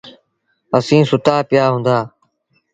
اسيٚݩ سُتآ پيٚآ هوندآ۔